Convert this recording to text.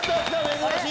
珍しい。